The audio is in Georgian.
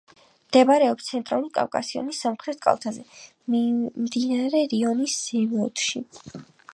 მდებარეობს ცენტრალურ კავკასიონის სამხრეთ კალთაზე, მდინარე რიონის ზემოთში.